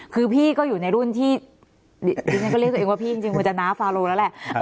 คือพี่ก็อยู่ในรุ่นที่ดิฉันก็เรียกตัวเองว่าพี่จริงควรจะน้าฟาโลแล้วแหละ